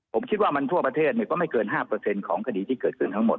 ผมคิดว่ามันทั่วประเทศเนี่ยก็ไม่เกินห้าเปอร์เซ็นต์ของคดีที่เกิดขึ้นทั้งหมด